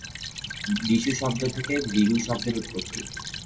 বিশু শব্দ থেকে বিহু শব্দের উৎপত্তি।